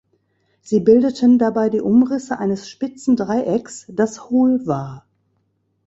Sie bildeten dabei die Umrisse eines spitzen Dreiecks, das hohl war.